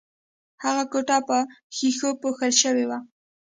هغه کوټه په ښیښو پوښل شوې وه